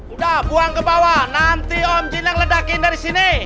udah buang ke bawah nanti om jin yang ledakin dari sini